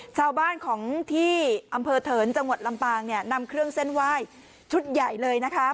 ชาวบ้านของที่อำเภอเถินจังหวัดลำปางเนี่ยนำเครื่องเส้นไหว้ชุดใหญ่เลยนะคะ